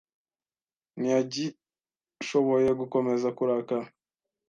Ntiyagishoboye gukomeza kurakara.